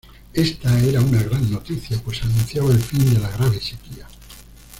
Ésta era una gran noticia, pues anunciaba el fin de la grave sequía.